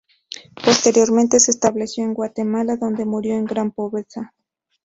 Posteriormente se estableció en Guatemala, donde murió en gran pobreza.